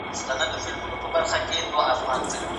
د هر چا حق ورته وسپارئ.